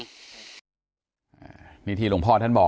การแก้เคล็ดบางอย่างแค่นั้นเอง